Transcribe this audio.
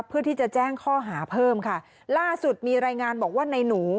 เพื่อที่จะแจ้งข้อหาเพิ่มค่ะล่าสุดมีรายงานบอกว่าในหนู